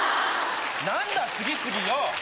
何だ⁉次々よ！